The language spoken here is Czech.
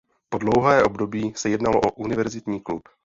Po dlouhé období se jednalo o univerzitní klub.